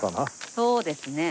そうですね。